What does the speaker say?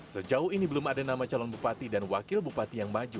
sejauh ini belum ada nama calon bupati dan wakil bupati yang maju